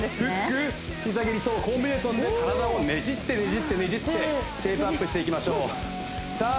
１２フック膝蹴りそうコンビネーションで体をねじってねじってねじってシェイプアップしていきましょうさあ